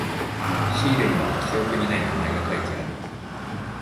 シールには記憶にない名前が書いてある。